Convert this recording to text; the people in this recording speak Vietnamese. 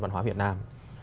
văn hóa việt nam